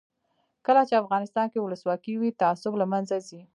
کله چې افغانستان کې ولسواکي وي تعصب له منځه ځي.